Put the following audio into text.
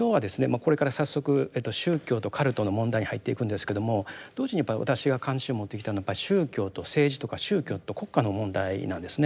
これから早速宗教とカルトの問題に入っていくんですけども同時にやっぱり私が関心を持ってきたのは宗教と政治とか宗教と国家の問題なんですね。